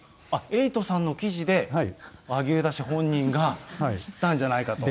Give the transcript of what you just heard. エイトさんの記事で、萩生田氏本人が知ったんじゃないかと。